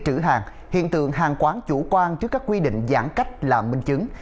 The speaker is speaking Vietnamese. thường hàng quán chủ quan trước các quy định giãn cách làm minh chứng